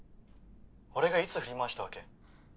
俺がいつ振り回したわけ？